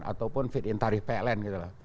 atau fit in tarif pln